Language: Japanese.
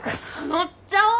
乗っちゃおう！